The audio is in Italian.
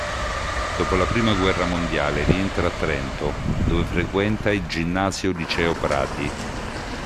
Dopo la prima guerra mondiale rientra a Trento, dove frequenta il Ginnasio liceo Prati.